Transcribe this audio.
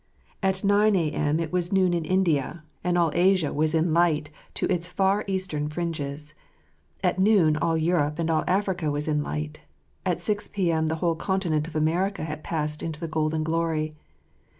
At nine a.m. it was noon 19 Work rrf tfre (S5rcat Jlrtist* in India, and all Asia was in light to its far eastern fringes • at noon all Europe and all Africa was in light ; at 6 p.m. the whole continent of America had passed into the golden glory.